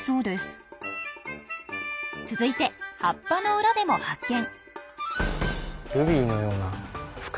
続いて葉っぱの裏でも発見！